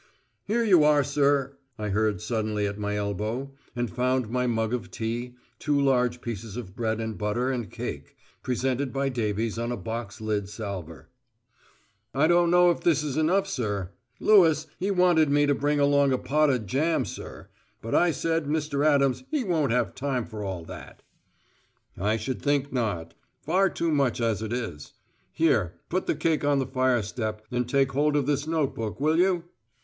"Here you are, sir," I heard suddenly at my elbow, and found my mug of tea, two large pieces of bread and butter and cake, presented by Davies on a box lid salver. "I don't know if this is enough, sir. Lewis he wanted me to bring along a pot o' jam, sir. But I said Mr. Adams he won't have time for all that." "I should think not. Far too much as it is. Here, put the cake on the fire step, and take hold of this notebook, will you?"